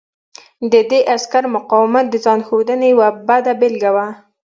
د دې عسکر مقاومت د ځان ښودنې یوه بده بېلګه وه